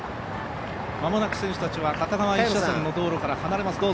間もなく選手たちは片側１車線の道路から離れます。